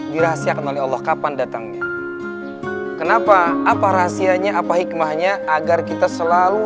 dirahasiakan oleh allah kapan datangnya kenapa apa rahasianya apa hikmahnya agar kita selalu